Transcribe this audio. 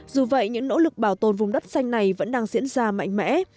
dù vậy những nỗ lực bảo tồn vùng đất xanh này vẫn đang diễn ra mạnh mẽ